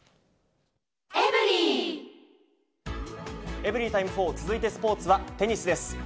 エブリィタイム４、続いてスポーツはテニスです。